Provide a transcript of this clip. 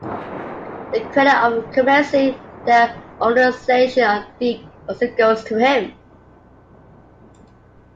The credit of commencing the urbanization of Deeg also goes to him.